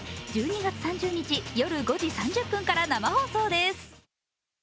１２月３０日夜５時３０分から生放送です